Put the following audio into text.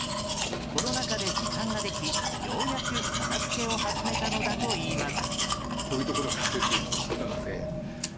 コロナ禍で時間ができようやく片づけを始めたのだといいます。